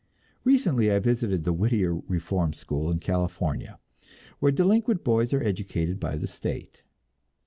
Recently I visited the Whittier Reform School in California, where delinquent boys are educated by the state.